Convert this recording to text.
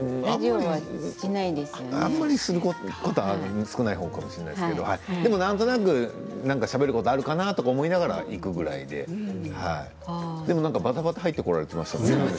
あまりすることは少ないですけどなんとなくしゃべることあるかなと思いながらいくぐらいででもばたばた入ってこられていましたね。